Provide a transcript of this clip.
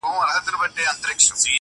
وايي نسته كجاوې شا ليلا ورو ورو٫